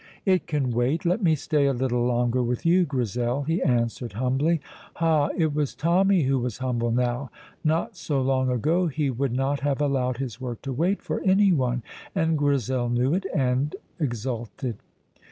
"It can wait. Let me stay a little longer with you, Grizel," he answered humbly. Ha! it was Tommy who was humble now. Not so long ago he would not have allowed his work to wait for anyone, and Grizel knew it, and exulted.